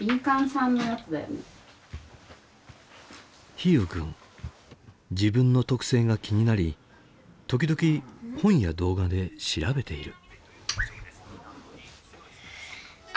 陽友君自分の特性が気になり時々本や動画で調べている。